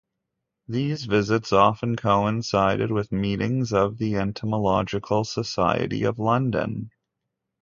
These visits often coincided with meetings of the Entomological Society of London.